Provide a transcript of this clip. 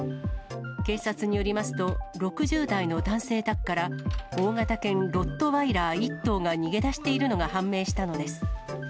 警察によりますと、６０代の男性宅から、大型犬、ロットワイラー１頭が逃げ出しているのが判明したのです。